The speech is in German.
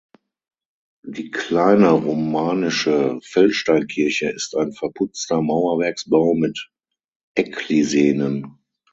Die kleine romanische Feldsteinkirche ist ein verputzter Mauerwerksbau mit Ecklisenen.